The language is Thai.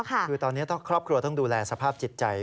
คือตอนนี้ครอบครัวต้องดูแลสภาพจิตใจ